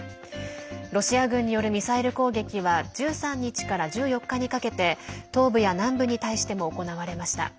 ロシア軍によるミサイル攻撃は１３日から１４日にかけて東部や南部に対しても行われました。